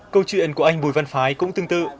câu chuyện của anh bùi văn phái cũng tương tự